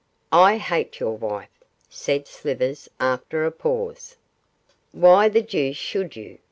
'I hate your wife,' said Slivers, after a pause. 'Why the deuce should you?